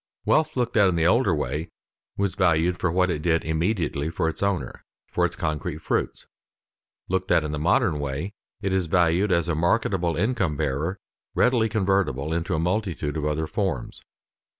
Wealth looked at in the older way was valued for what it did immediately for its owner, for its concrete fruits; looked at in the modern way, it is valued as a marketable income bearer readily convertible into a multitude of other forms.